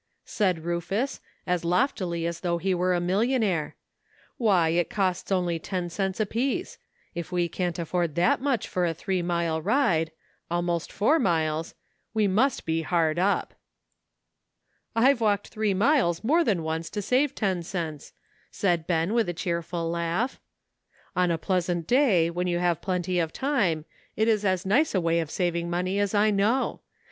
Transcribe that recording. said Rufus, as loftily as though he were a millionaire ;" why, it costs only ten cents apiece. If we can't afford that much for a three mile ride — almost four miles — we must be hard up." " I've walked three miles more than once to save ten cents," said Ben, with a cheerful laugh. "On a pleasant day, when you have plenty of time, it is as nice a way of saving money as I know.